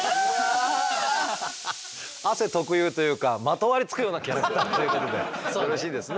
汗特有というかまとわりつくようなキャラクターということでよろしいですね？